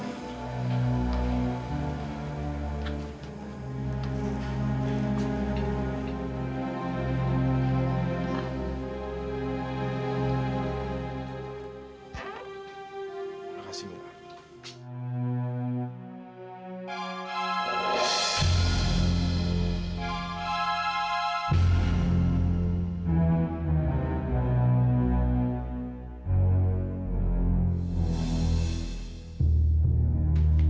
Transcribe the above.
terima kasih mama